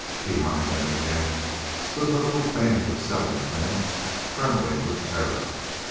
Behind them again stood the little band of Settlement men, trembling with terror.